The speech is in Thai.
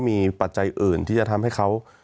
มีความรู้สึกว่ามีความรู้สึกว่า